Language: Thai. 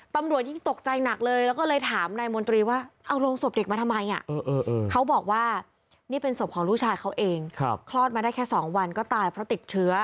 ตำรวจยิ่งตกใจหนักเลยแล้วก็เลยถามนายมนตรีว่าเอาโรงศพเด็กมาทำไม